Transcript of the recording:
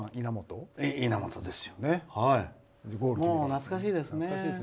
懐かしいですね